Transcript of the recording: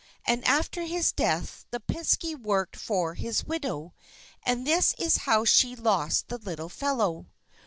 And after his death the Piskey worked for his widow. And this is how she lost the little fellow.